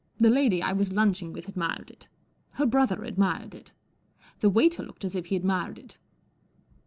The lady I was lunching with admired it. Her brother admired it. The waiter looked as if he admired it.